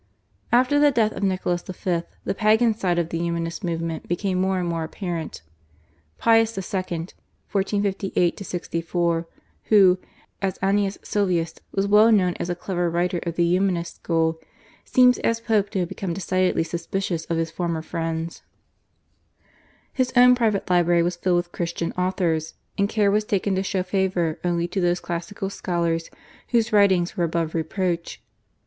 After the death of Nicholas V. the Pagan side of the Humanist movement became more and more apparent. Pius II. (1458 64), who, as Aeneas Sylvius, was well known as a clever writer of the Humanist school, seems as Pope to have been decidedly suspicious of his former friends. His own private library was filled with Christian authors, and care was taken to show favour only to those classical scholars whose writings were above reproach.